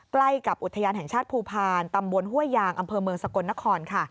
ใกล้กับอุทยานแห่งชาติภูพาลตำบลห้วยยางอำเภอเมืองสกลนครค่ะ